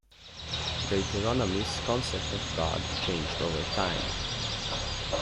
Deuteronomy's concept of God changed over time.